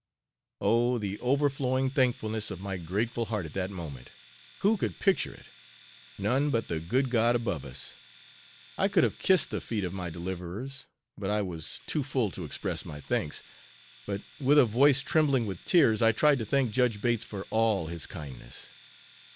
Oh! the overflowing thankfulness of my grateful heart at that moment, who could picture it? None but the good God above us! I could have kissed the feet of my deliverers, but I was too full to express my thanks, but with a voice trembling with tears I tried to thank Judge Bates for all his kindness.